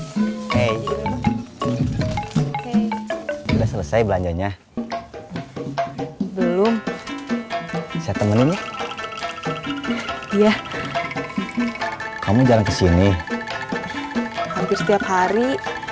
hai sudah selesai belanjanya belum setempat ini iya kamu jangan kesini hampir setiap hari